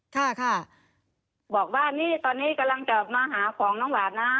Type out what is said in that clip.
ค่ะค่ะบอกว่านี่ตอนนี้กำลังจะมาหาของน้องหวานนะ